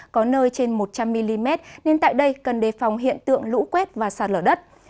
có nơi trên một trăm linh mm nên tại đây cần đề phòng hiện tượng lũ quét và sạt lở đất